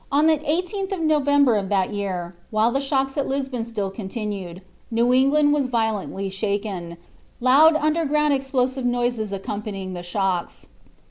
On the 18th of November of that year, while the shocks at Lisbon still continued, New England was violently shaken, loud underground explosive noises accompanying the shocks.